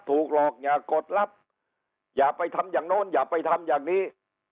ถูกหลอกอย่ากดลับอย่าไปทำอย่างโน้นอย่าไปทำอย่างนี้